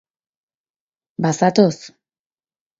Bazatoz?